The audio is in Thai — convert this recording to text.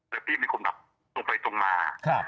แต่พี่เป็นคนแบบตรงไปตรงมา